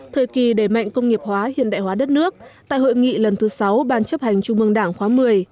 thời kỳ đẩy mạnh công nghiệp hóa hiện đại hóa đất nước tại hội nghị lần thứ sáu ban chấp hành trung mương đảng khóa một mươi